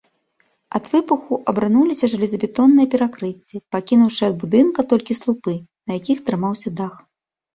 Ад выбуху абрынуліся жалезабетонныя перакрыцці, пакінуўшы ад будынка толькі слупы, на якіх трымаўся дах.